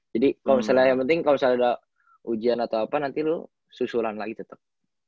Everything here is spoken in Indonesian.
jadi kalo misalnya yang penting kalo misalnya ada ujian atau apa nanti lu susulan lagi tetep